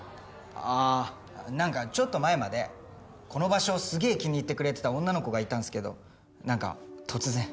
ああなんかちょっと前までこの場所をすげえ気に入ってくれてた女の子がいたんすけどなんか突然。